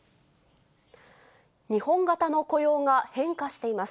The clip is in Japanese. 日本型の雇用が変化しています。